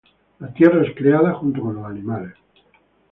La Tierra es creada, junto con los animales.